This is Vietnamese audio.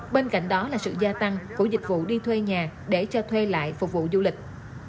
bên cạnh đó là sự gia tăng của dịch vụ đi thuê nhà để cho thuê lại phục vụ du lịch